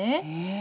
え。